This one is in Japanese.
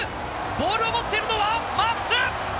ボールを持ってるのはマークス！